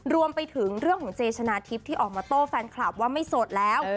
รวมไปถึงเรื่องของเจชนะทิพย์ที่ออกมาโต้แฟนคลับว่าไม่โสดแล้ว